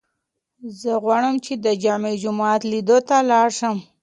زه غواړم چې د جامع جومات لیدو ته لاړ شم.